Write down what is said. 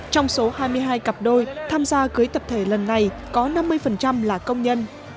trong số hai mươi hai cặp đôi tham gia cưới tập thể lần này có năm mươi là công nhân